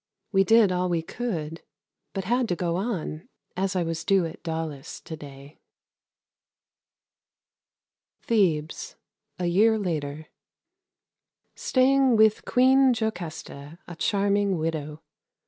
We did all we could, but had to go on, as I was due at Daulis to day. Thebes, a year later. Staying with Queen Jocasta, a charming widow.